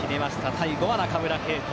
最後は中村敬斗。